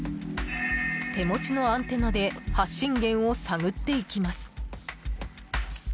手持ちのアンテナで発信源を探っていきます。